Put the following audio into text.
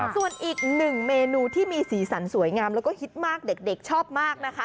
ส่วนอีกหนึ่งเมนูที่มีสีสันสวยงามแล้วก็ฮิตมากเด็กชอบมากนะคะ